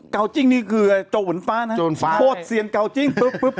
เกาจิงนี่คือโจ้วนฟ้านะโฆษเซียนเกาจิง